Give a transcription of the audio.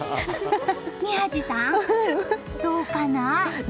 宮司さん、どうかな？